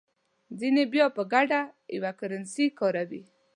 ځینې بیا په ګډه یوه کرنسي کاروي.